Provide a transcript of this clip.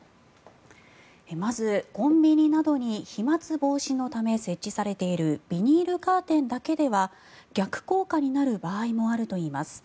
まず、コンビニなどに飛まつ防止のため設置されているビニールカーテンだけでは逆効果になる場合もあるといいます。